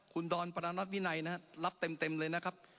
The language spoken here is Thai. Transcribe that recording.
คุณดอนปรณัติวินัยนะครับรับเต็มเลยนะครับ